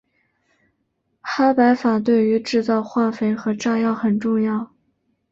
哈柏法对于制造化肥和炸药很重要。